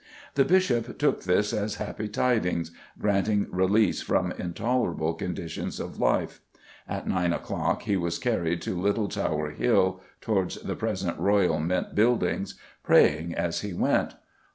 The Bishop took this as happy tidings, granting release from intolerable conditions of life. At nine o'clock he was carried to Little Tower Hill (towards the present Royal Mint buildings), praying as he went.